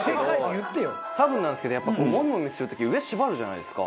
多分なんですけどやっぱもみもみする時上縛るじゃないですか。